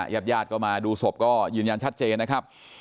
ยาดก็มาดูศพก็ยืนย้านชัดเจนนะครับ